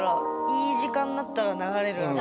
いい時間なったら流れるあの。